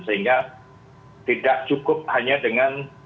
sehingga tidak cukup hanya dengan